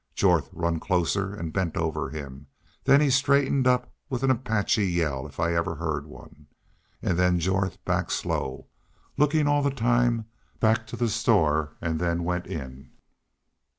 Jorth run closer, bent over him, an' then straightened up with an Apache yell, if I ever heerd one.... An' then Jorth backed slow lookin' all the time backed to the store, an' went in."